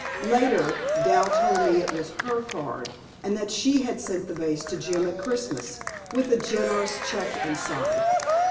Later, Dal told me it was HER card, and that she had sent the vase to Jim at Christmas, with a generous check inside.